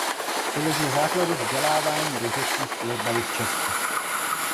Položil základy vzdělávání rozhodčích florbalu v Česku.